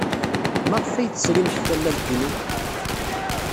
Maɣef ay tesrimt tallalt-inu?